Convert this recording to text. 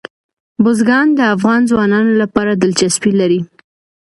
بزګان د افغان ځوانانو لپاره دلچسپي لري.